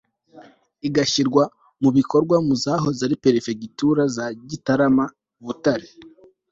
igashyirwa mu bikorwa mu zahoze ari Perefegitura za Gitarama Butare